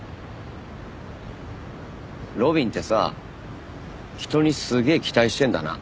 路敏ってさ人にすげえ期待してるんだな。